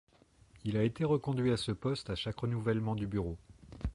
Il a été reconduit à ce poste à chaque renouvellement du bureau.